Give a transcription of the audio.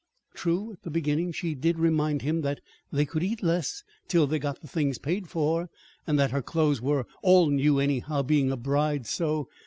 True, at the beginning she did remind him that they could "eat less" till they "got the things paid for," and that her clothes were "all new, anyhow, being a bride, so!"